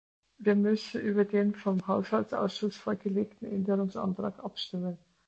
Wir müssen über den vom Haushaltausschuss vorgelegten Änderungsantrag abstimmen.